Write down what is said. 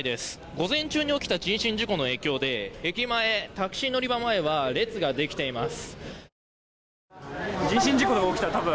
午前中に起きた人身事故の影響で駅前、タクシー乗り場前は列ができています。